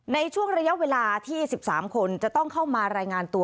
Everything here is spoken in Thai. ในช่วงระยะเวลาที่๑๓คนจะต้องเข้ามารายงานตัว